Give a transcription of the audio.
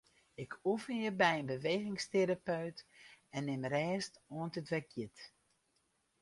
Ik oefenje by in bewegingsterapeut en nim rêst oant it wer giet.